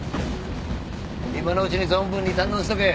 今のうちに存分に堪能しとけ。